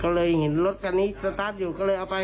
ก็เลยเห็นรถคันนี้สตาร์ทอยู่ก็เลยเอาไป